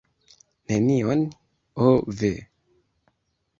Nenion, ho ve!